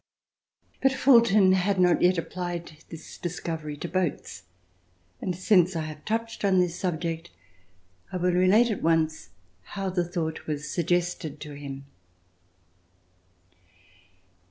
But Fulton had not yet applied this discovery to boats; and, since I have touched on this subject, I will relate at once how the thought was suggested to him.